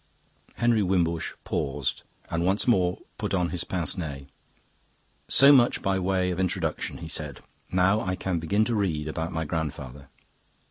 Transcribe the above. Henry Wimbush paused, and once more put on his pince nez. "So much by way of introduction," he said. "Now I can begin to read about my grandfather."